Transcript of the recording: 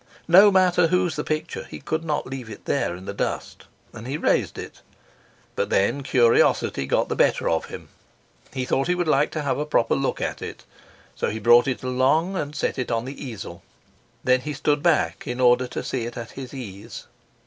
No mater whose the picture, he could not leave it there in the dust, and he raised it; but then curiosity got the better of him. He thought he would like to have a proper look at it, so he brought it along and set it on the easel. Then he stood back in order to see it at his ease.